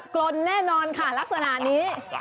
กลนแน่นอนค่ะลักษณะนี้